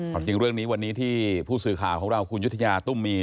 ความจริงเรื่องนี้วันนี้ที่ผู้สื่อข่าวของเราคุณยุธยาตุ้มมี